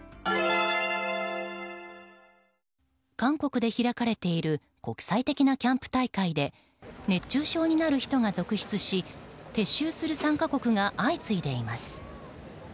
韓国で開かれている国際的なキャンプ大会で熱中症になる人が続出し撤収する参加国が相次いでいます。